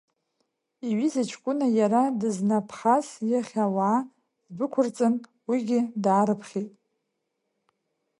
Иҩыза ҷкәын иара дызнаԥхаз иахь ауаа дәықәырҵан, уигьы даарыԥхьеит.